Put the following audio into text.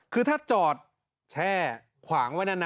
คือถ้าจอดแช่ขวางไว้นาน